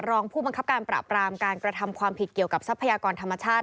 รองผู้บังคับการปราบรามการกระทำความผิดเกี่ยวกับทรัพยากรธรรมชาติ